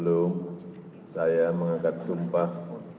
sebelum saya mengangkat sumpah